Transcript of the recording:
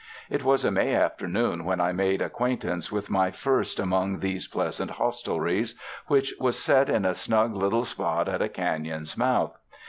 It was a May afternoon when I made acquaintance with my first among these pleasant hostelries, which was set in a snug little spot at a canon's mouth.